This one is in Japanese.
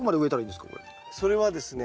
それはですね